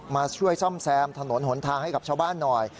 มาช่วยซ่อมแซมถนนหนทางให้กับชาวบ้านหน่อย